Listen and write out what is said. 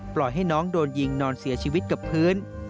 ปล่อยให้น้องโดนยิงนอนเสียชีวิตกับพื้น